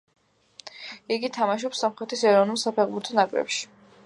იგი თამაშობს სომხეთის ეროვნულ საფეხბურთო ნაკრებში.